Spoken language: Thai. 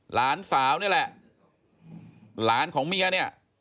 หลานสาวนี่แหละหลานของเมียเนี่ย